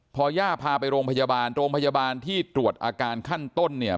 พอย่าพาไปโรงพยาบาลโรงพยาบาลที่ตรวจอาการขั้นต้นเนี่ย